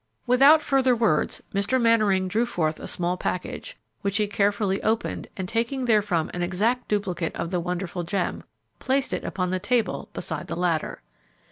Without further words, Mr. Mannering drew forth a small package, which he carefully opened, and, taking therefrom an exact duplicate of the wonderful gem, placed it upon the table beside the latter.